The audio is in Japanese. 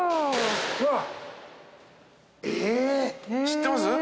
知ってます？